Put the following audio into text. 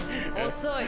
遅い。